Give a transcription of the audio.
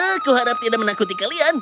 aku harap tidak menakuti kalian